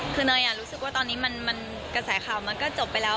คือเนยรู้สึกว่าตอนนี้กระแสข่าวมันก็จบไปแล้ว